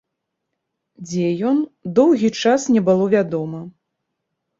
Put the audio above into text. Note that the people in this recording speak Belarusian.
Дзе ён, доўгі час не было вядома.